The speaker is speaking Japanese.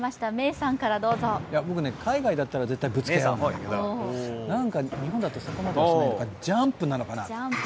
僕ね、海外だったらぶつけ合うなんだけど日本だとそこまでしない、ジャンプなのかな。